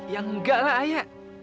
ya enggak lah ayah